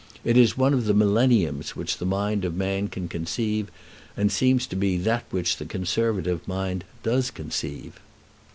It is one of the millenniums which the mind of man can conceive, and seems to be that which the Conservative mind does conceive."